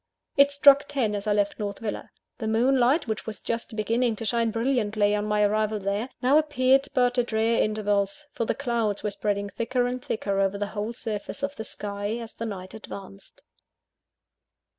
It struck ten as I left North Villa. The moonlight which was just beginning to shine brilliantly on my arrival there, now appeared but at rare intervals; for the clouds were spreading thicker and thicker over the whole surface of the sky, as the night advanced.